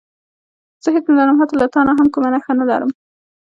زه هېڅ نه لرم حتی له تا نه هم کومه نښه نه لرم.